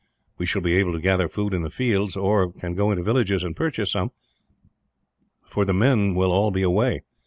We shall be able to gather food in the fields; or can go into villages and purchase some, for the men will all be away.